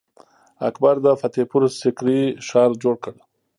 اکبر د فتح پور سیکري ښار جوړ کړ.